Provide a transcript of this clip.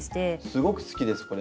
すごく好きですこれ。